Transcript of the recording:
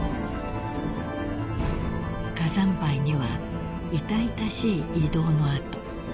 ［火山灰には痛々しい移動の跡］